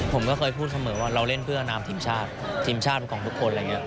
ผมก็เคยพูดเสมอว่าเราเล่นเพื่ออนามทีมชาติทีมชาติของทุกคนอะไรอย่างนี้